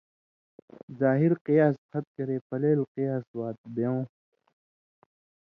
ظاہر قیاس پھت کرے پلیل قیاس وات بیوں